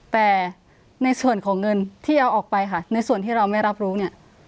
แต่ในส่วนของเงินที่เอาออกไปค่ะในส่วนที่เราไม่รับรู้เนี่ย